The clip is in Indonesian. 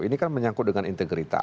ini kan menyangkut dengan integritas